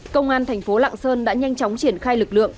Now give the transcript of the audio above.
công an thành phố lạng sơn đã nhanh chóng triển khai lực lượng